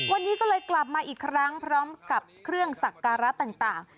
วันนี้ก็เลยกลับมาอีกครั้งพร้อมกับเครื่องสักการะต่าง